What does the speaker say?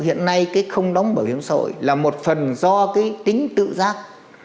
hiện nay cái không đóng bảo hiểm xã hội là một phần do cái tính tự giác